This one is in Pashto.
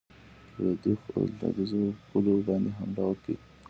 پر لوېدیخو پولو باندي حمله وکړي.